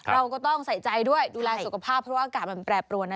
เราก็ต้องใส่ใจด้วยดูแลสุขภาพเพราะว่าอากาศมันแปรปรวนนะ